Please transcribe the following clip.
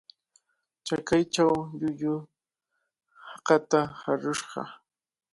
Chakaychaw llullu hakata harushqa